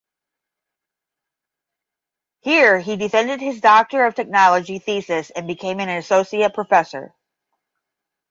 Here he defended his Doctor of Technology Thesis and became an associate professor.